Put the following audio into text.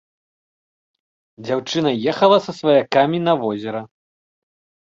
Дзяўчына ехала са сваякамі на возера.